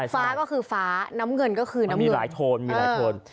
ฟ้าก็คือฟ้าน้ำเงินก็คือน้ำเงิน